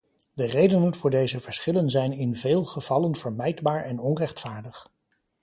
De redenen voor deze verschillen zijn in veel gevallen vermijdbaar en onrechtvaardig.